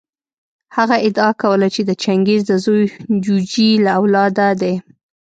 هغه ادعا کوله چې د چنګیز د زوی جوجي له اولاده دی.